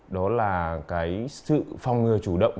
đó là cái sự phòng ngừa chủ động